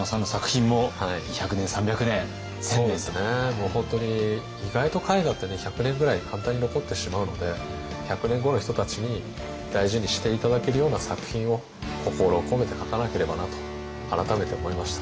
もう本当に意外と絵画ってね１００年ぐらい簡単に残ってしまうので１００年後の人たちに大事にして頂けるような作品を心を込めて描かなければなと改めて思いました。